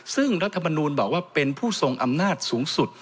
ซึ่งรัฐมนูลบอกว่าเป็นผู้ทรงอำนาจสูงสุด